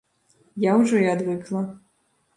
Я ўжо і адвыкла.